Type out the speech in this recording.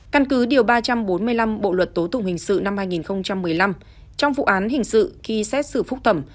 căn cứ điều ba trăm bốn mươi năm bộ luật tố tụng hình sự năm hai nghìn một mươi năm trong vụ án hình sự khi xét xử phúc thẩm